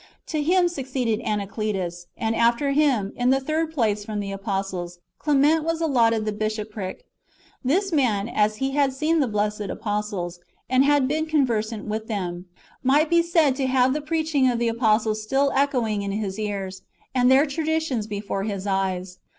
To him succeeded Anacletus ; and after him, in the third place from the apostles, Clement was allotted the bishopric. This man, as he had seen the blessed apostles, and had been conversant with them, might be said to have the preaching of the apostles still echoing [in his ears], and their traditions before his eyes.